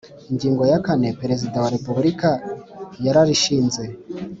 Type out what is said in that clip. Ingingo ya kane Perezida wa Repubulika yararishinze